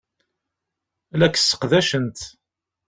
La k-sseqdacent.